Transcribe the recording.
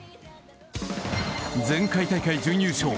前回大会準優勝